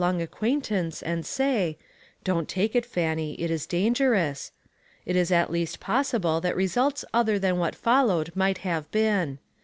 long acquaintance and say, " Don't take it, Fannie, it is dangerous" — it is at least pos sible that results other than, what followed might have been.